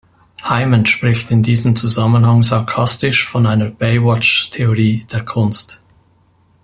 Hyman spricht in diesem Zusammenhang sarkastisch von einer „Baywatch-Theorie der Kunst“.